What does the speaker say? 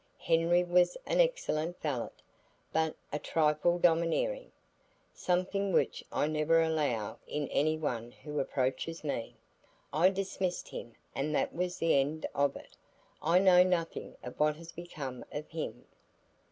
Henry was an excellent valet, but a trifle domineering, something which I never allow in any one who approaches me. I dismissed him and that was the end of it, I know nothing of what has become of him."